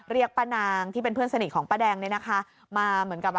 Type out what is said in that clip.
เรียกป้านางที่เป็นเพื่อนสนิทของป้าแดงเนี่ยนะคะ